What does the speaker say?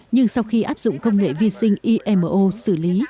nhưng sau khi áp dụng công nghệ vi sinh imo xử lý